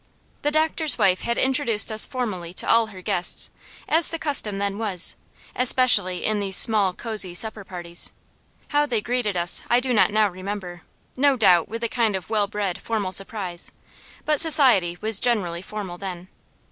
The doctor's wife had introduced us formally to all her guests, as the custom then was, especially in these small cosy supper parties. How they greeted us I do not now remember; no doubt, with a kind of well bred formal surprise; but society was generally formal then.